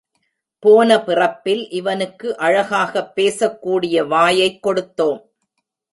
போன பிறப்பில் இவனுக்கு அழகாகப் பேசக் கூடிய வாயைக் கொடுத்தோம்.